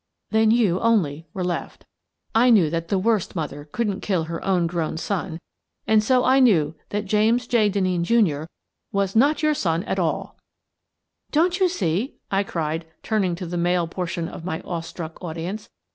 Then you only were left I knew that the worst mother couldn't kill her own grown The Last of It 267 son — and so I knew that James J. Denneen, Jr., was not your son at all !" Don't you see? " I cried, turning to the male portion of my awestruck audience.